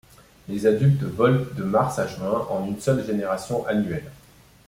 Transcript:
Les adultes volent de mars à juin, en une seule génération annuelle.